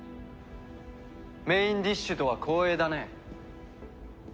メインディッシュとは光栄だね。